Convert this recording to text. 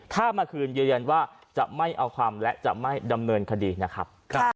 ถ้ามาคืนยืนยันว่าจะไม่เอาความและจะไม่ดำเนินคดีนะครับ